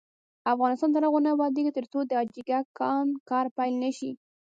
افغانستان تر هغو نه ابادیږي، ترڅو د حاجي ګک کان کار پیل نشي.